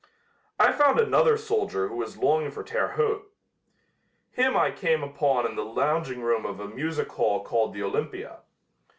I found another soldier who was longing for Terre Haute. Him I came upon in the lounging room of a music hall called the Olympia.